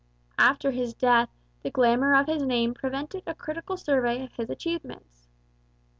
After his death the glamour of his name prevented a critical survey of his achievements.